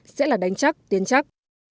sẽ là đánh chắc tiến chắc